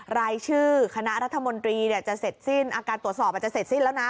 รายชื่อคณะรัฐมนตรีจะเสร็จสิ้นการตรวจสอบอาจจะเสร็จสิ้นแล้วนะ